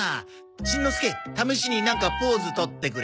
しんのすけ試しになんかポーズ取ってくれ。